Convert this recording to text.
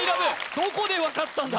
どこで分かったんだ？